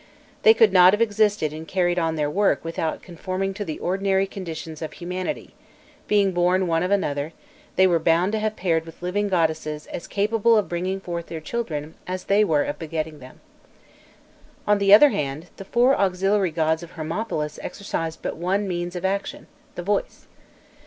They could not have existed and carried on their work without conforming to the ordinary conditions of humanity; being born one of another, they were bound to have paired with living goddesses as capable of bringing forth their children as they were of begetting them. On the other hand, the four auxiliary gods of Hermopolis exercised but one means of action the voice.